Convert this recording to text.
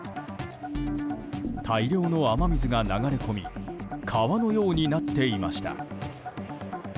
大量の雨水が流れ込み川のようになっていました。